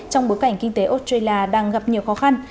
trong bối cảnh kinh tế australia đang gặp nhiều khó khăn